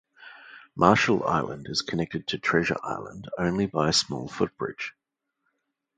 Marshall Island is connected to Treasure Island only by a small footbridge.